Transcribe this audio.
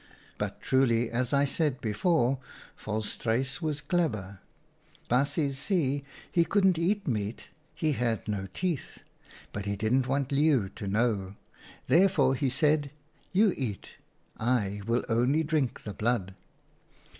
But truly, as I said before, Volstruis was clever. Baasjes see, he couldn't eat meat ; he had no teeth. But he didn't want Leeuw to know. Therefore he said, ' You eat ; I will only drink the blood.'